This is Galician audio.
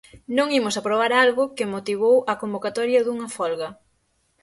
Non imos aprobar algo que motivou a convocatoria dunha folga.